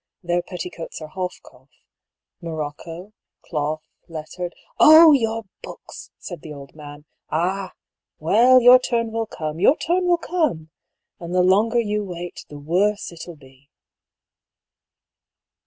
Their petticoats are half calf — mo rocco — cloth, lettered —" "Oh! your books," said the old man. "Ah! well, your turn will come, your turn will come! And the longer you wait the worse it'll be."